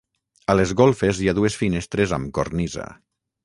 A les golfes hi ha dues finestres amb cornisa.